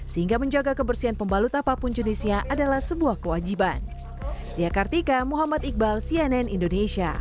sehingga menjaga kebersihan pembalut apapun jenisnya adalah sebuah kewajiban